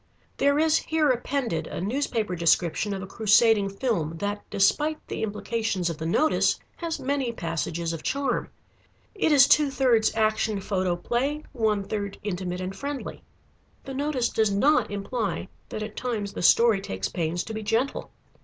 There is here appended a newspaper description of a crusading film, that, despite the implications of the notice, has many passages of charm. It is two thirds Action Photoplay, one third Intimate and friendly. The notice does not imply that at times the story takes pains to be gentle.